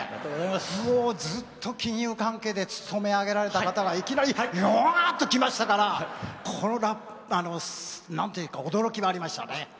もうずっと金融関係で勤め上げられた方がいきなりうわーっときましたからなんというか驚きがありましたね。